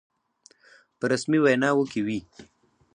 په رسمي ویناوو کې وي.